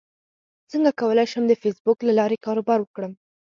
څنګه کولی شم د فېسبوک له لارې کاروبار وکړم